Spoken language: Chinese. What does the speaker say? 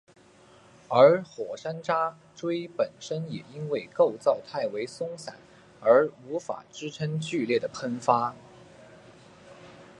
而火山渣锥本身也因为构造太为松散而无法支撑剧烈的喷发。